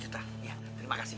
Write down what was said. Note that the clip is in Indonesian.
ya terima kasih